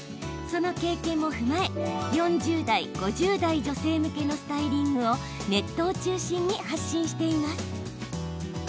その経験も踏まえ４０代、５０代女性向けのスタイリングをネットを中心に発信しています。